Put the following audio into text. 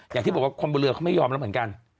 อย่างที่บอกว่าคนบนเรือเขาไม่ยอมแล้วเหมือนกัน